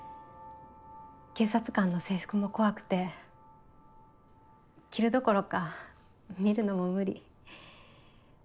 警察官の制服も怖くて着るどころか見るのも無理。